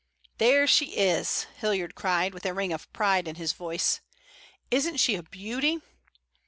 "There she is," Hilliard cried, with a ring of pride in his voice. "Isn't she a beauty?"